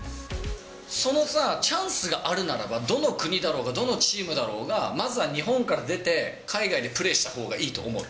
そのさ、チャンスがあるならば、どの国だろうが、どのチームだろうが、まずは日本から出て、海外でプレーしたほうがいいと思う？